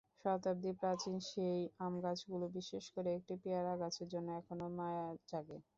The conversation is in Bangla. শতাব্দীপ্রাচীন সেই আমগাছগুলো, বিশেষ করে একটি পেয়ারাগাছের জন্য এখনো মায়া জাগে।